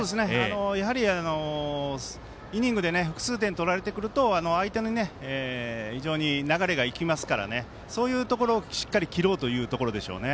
やはりイニングで複数点、取られてくると相手に流れがいきますからそういうところをしっかり切ろうというところでしょうね。